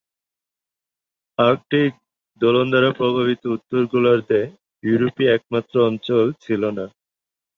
Arctic দোলন দ্বারা প্রভাবিত উত্তর গোলার্ধে ইউরোপ-ই একমাত্র অঞ্চল ছিল না।